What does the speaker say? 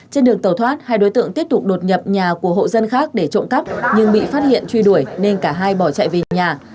trên đường tàu thoát hai đối tượng tiếp tục đột nhập nhà của hộ dân khác để trộm cắp nhưng bị phát hiện truy đuổi nên cả hai bỏ chạy về nhà